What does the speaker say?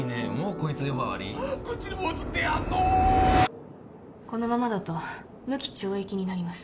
このままだと無期懲役になります